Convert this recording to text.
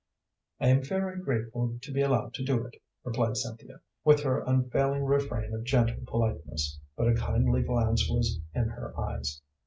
"I am very grateful to be allowed to do it," replied Cynthia, with her unfailing refrain of gentle politeness, but a kindly glance was in her eyes.